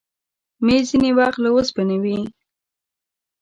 مېز ځینې وخت له اوسپنې وي.